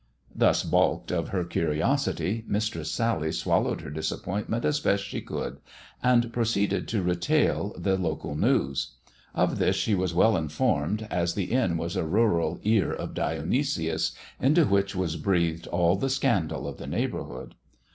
Thus baulked of her curiosity, Mistress Sally swallowed her disappointment as best she could, and proceeded to retail the local news. Of this she was well informed, as the inn was a rural Ear of Dionysius, into which was breathed all the scandal of the neighbourhood.